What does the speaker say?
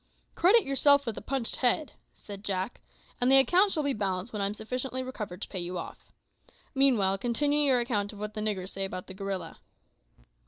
"Credit yourself with a punched head," said Jack, "and the account shall be balanced when I am sufficiently recovered to pay you off. Meanwhile, continue your account of what the niggers say about the gorilla."